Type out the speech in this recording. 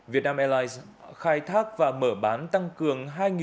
vietnam airlines khai thác và mở bán tăng cường hai chuyến bay từ sau hai mươi một giờ